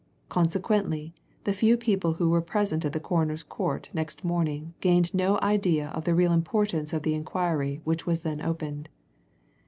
Consequently, the few people who were present at the Coroner's court next morning gained no idea of the real importance of the inquiry which was then opened.